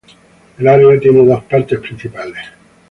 El área tiene dos partes principales.